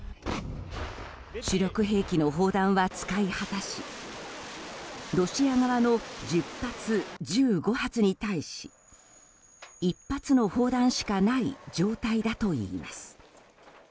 主力兵器の砲弾は使い果たしロシア側の１０発、１５発に対し１発の砲弾しかない状態だといいます。